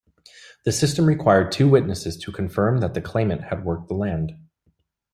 The system required two witnesses to confirm that the claimant had worked the land.